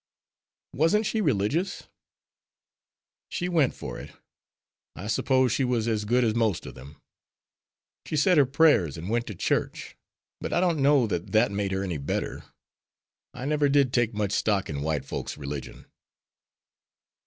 "Wasn't she religious?" "She went for it. I suppose she was as good as most of them. She said her prayers and went to church, but I don't know that that made her any better. I never did take much stock in white folks' religion."